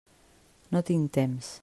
No tinc temps.